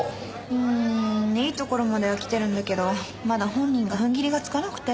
うーんいいところまではきてるんだけどまだ本人が踏ん切りがつかなくて。